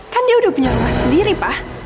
kan dia udah punya rumah sendiri pak